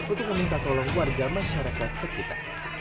untuk meminta tolong warga masyarakat sekitar